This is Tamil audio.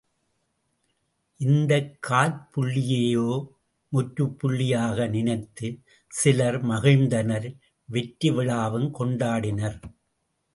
இந்தக் காற்புள்ளியையே முற்றுப் புள்ளியாக நினைத்துச் சிலர் மகிழ்ந்தனர் வெற்றிவிழாவும் கொண்டாடினர்.